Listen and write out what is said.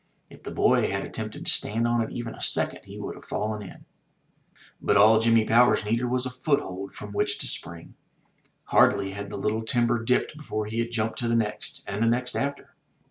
If the boy had attempted to stand on it even a second he would have fallen in. But all Jimmy Powers needed was a foothold from which to spring. Hardly had the little timber dipped before he had jumped to the next and the next after.